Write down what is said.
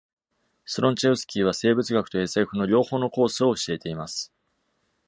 Slonczewski は生物学と SF の両方のコースを教えています。